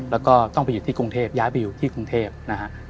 แล้วก็ต้องไปอยู่ที่กรุงเทพย้ายไปอยู่ที่กรุงเทพนะฮะ